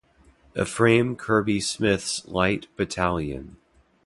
Ephraim Kirby Smith's light battalion.